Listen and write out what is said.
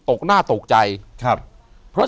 อยู่ที่แม่ศรีวิรัยิลครับ